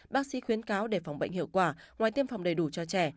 bác sĩ khuyến cáo để phòng bệnh hiệu quả ngoài tiêm phòng đầy đủ cho trẻ